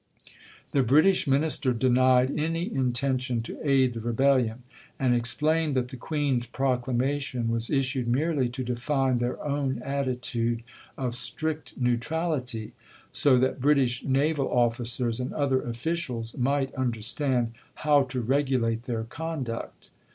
The British minister denied any intention to aid the rebellion, and explained that the Queen's procla mation was issued merely to define their own at titude of strict neutrahty, so that British naval EUEOPEAN NEUTKALITY 277 officers and other officials might understand how to regulate their conduct.